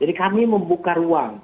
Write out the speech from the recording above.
jadi kami membuka ruang